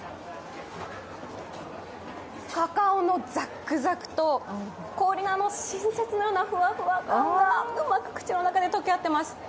カカオのザックザクと氷の新雪のようなふわふわがうまく口の中で溶け合っています。